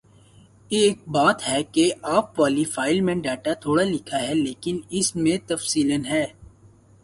ایک بات ہے کہ آپ والی فائل میں ڈیٹا تھوڑا لکھا ہے لیکن اس میں تفصیلاً ہے